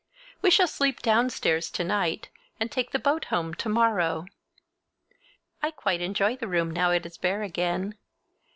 We shall sleep downstairs to night, and take the boat home to morrow. I quite enjoy the room, now it is bare again.